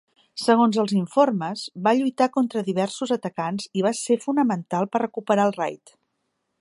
Segons els informes, va lluitar contra diversos atacants i va ser fonamental per recuperar el raid.